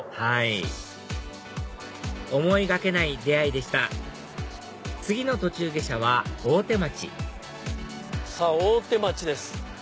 はい思いがけない出会いでした次の途中下車は大手町さぁ大手町です